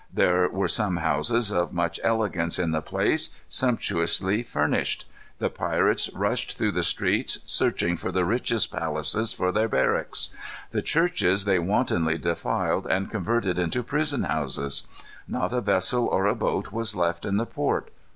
There were some houses of much elegance in the place, sumptuously furnished. The pirates rushed through the streets, searching for the richest palaces for their barracks. The churches they wantonly defiled and converted into prison houses. Not a vessel or a boat was left in the port.